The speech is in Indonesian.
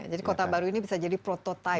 jadi kota baru ini bisa jadi prototipe